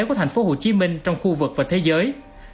của thành phố hồ chí minh trong khu vực và thế giới